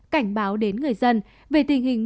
cảnh báo đến người dân về tình hình